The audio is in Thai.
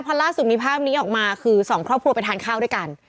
พอล่าสุดมีภาพนี้ออกมาคือสองครอบครัวไปทานข้าวด้วยกัน